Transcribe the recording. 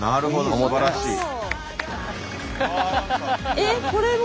えっこれも？